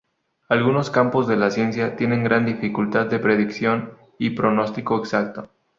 Algunos campos de la ciencia tienen gran dificultad de predicción y pronóstico exacto.